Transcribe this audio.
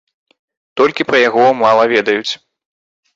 Толькі пра яго мала ведаюць.